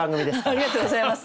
ありがとうございます。